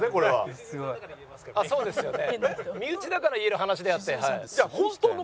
そうですよね。